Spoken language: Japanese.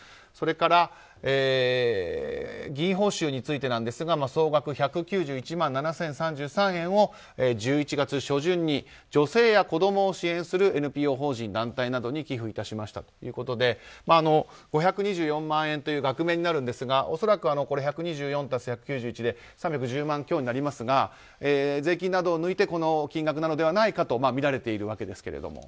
それから議員報酬についてですが総額１９１万７０３３円を１１月初旬に女性や子供を支援するＮＰＯ法人や団体などに寄付しましたということで５２４万円という額面になるんですが恐らく１２４足す１９１で３１０万強になりますが税金などを抜いてこの金額なのではないかとみられているわけですが。